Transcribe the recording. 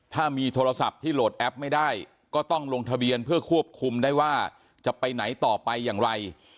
ถ้ามีโทรศัพท์ที่โหลดแอปไม่ได้ก็ต้องลงทะเบียนเพื่อควบคุมได้ว่าจะไปไหนต่อไปอย่างไร